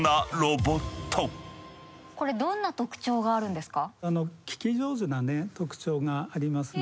これどんな特徴があるんですか？